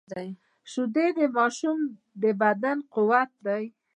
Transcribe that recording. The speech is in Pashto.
شیدې د ماشوم د بدن قوت دي